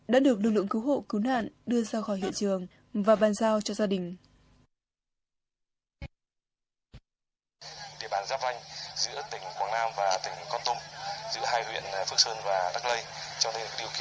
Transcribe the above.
đã được lực lượng cứu hộ cứu nạn đưa ra khỏi hiện trường và bàn giao cho gia đình